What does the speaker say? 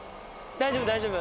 大丈夫大丈夫。